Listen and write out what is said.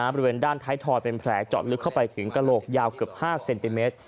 บริเวณด้านท้ายทอยเป็นแผลเจาะลึกเข้าไปถึงกระโหลกยาวเกือบ๕เซนติเมตร